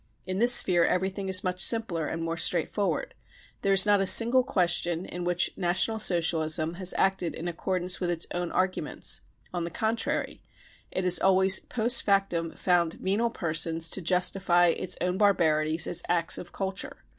In this sphere everything is much simpler and more straightforward. There is not a single question in which National Socialism has acted in accordance with its own arguments ; on the contrary, it has always post factum found venal persons to justify its own barbarities as "■ acts of culture.